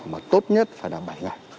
mà tốt nhất phải là bảy ngày